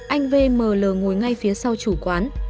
anh vml ngồi ngay phía sau chủ quán